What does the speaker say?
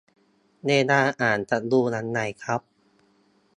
เวลาอ่านจะดูยังไงครับ